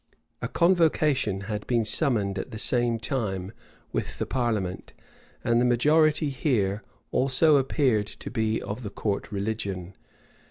A convocation had been summoned at the same time with the parliament; and the majority here also appeared to be of the court religion.